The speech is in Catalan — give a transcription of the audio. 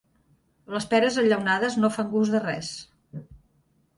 Les peres enllaunades no fan gust de res.